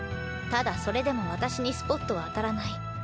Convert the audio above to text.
ただそれでも私にスポットは当たらない。